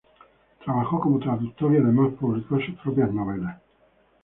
Trabajó como traductor y además publicó sus propias novelas.